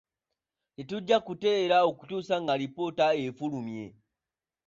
Tetujja kuteerera okutuusa ng'alipoota efulumye.